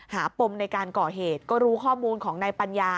ปมในการก่อเหตุก็รู้ข้อมูลของนายปัญญา